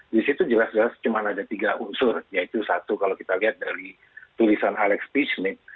di situ jelas jelas cuma ada tiga unsur yaitu satu kalau kita lihat dari tulisan alex pitchnik